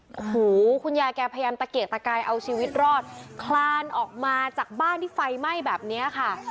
โอ้โหคุณยายแกพยายามตะเกียกตะกายเอาชีวิตรอดคลานออกมาจากบ้านที่ไฟไหม้แบบนี้ค่ะ